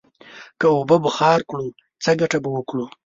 که اوبه بخار کړو، څه گټه به وکړو؟